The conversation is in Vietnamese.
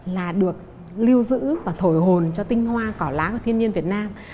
là được lưu giữ và thổi hồn cho tinh hoa cỏ lá của thiên nhiên việt nam